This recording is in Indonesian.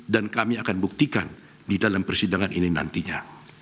dan kami akan buktikan di dalam persidangan ini nantinya